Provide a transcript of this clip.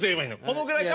このぐらいか？